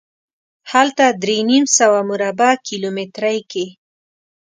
هلته درې نیم سوه مربع کیلومترۍ کې.